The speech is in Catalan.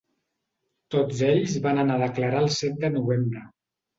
Tots ells van anar a declarar el set de novembre.